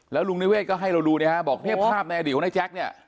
แล้วลุงนิเวศก็ให้เราดูเนี่ยฮะบอกเนี่ยภาพในอดีตของนายแจ๊คเนี่ย